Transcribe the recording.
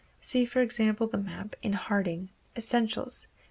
(See, for example, the map in Harding, "Essentials," p.